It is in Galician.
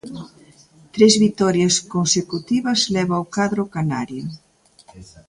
Tres vitorias consecutivas leva o cadro canario.